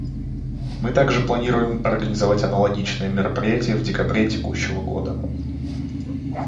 Мы также планируем организовать аналогичное мероприятие в декабре текущего года.